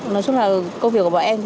nói chung là công việc của bọn em